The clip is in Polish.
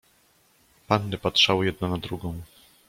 "Panny patrzały jedna na drugą."